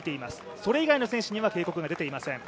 それ以外の選手には警告が出ていません。